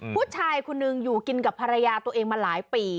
ผู้ชายคนหนึ่งอยู่กินกับภรรยาตัวเองมาหลายปี